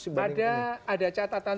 sebaliknya ada catatan